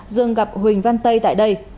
dương gặp huỳnh văn tây tại đây